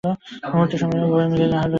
মুহূর্তের মধ্যে উভয়ের মিলন হইয়া গেল।